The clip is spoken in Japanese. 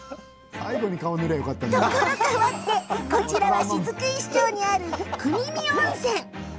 ところ変わってこちらは雫石町にある国見温泉。